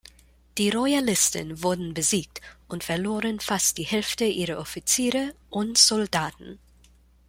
Die Royalisten wurden besiegt und verloren fast die Hälfte ihrer Offiziere und Soldaten.